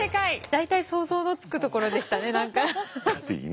大体想像のつくところでしたね何か。